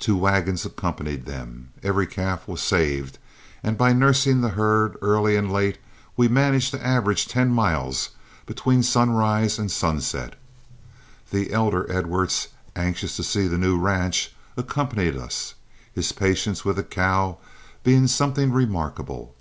Two wagons accompanied them, every calf was saved, and by nursing the herd early and late we managed to average ten miles between sunrise and sunset. The elder Edwards, anxious to see the new ranch, accompanied us, his patience with a cow being something remarkable.